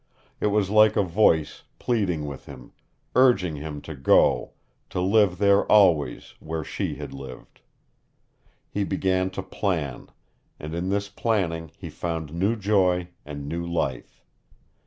It was like a voice pleading with him, urging him to go, to live there always where she had lived. He began to plan, and in this planning he found new joy and new life.